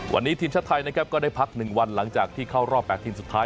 วันนี้ทีมชาติไทยนะครับก็ได้พัก๑วันหลังจากที่เข้ารอบ๘ทีมสุดท้าย